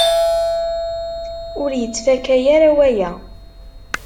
Ur yettfaka ara waya.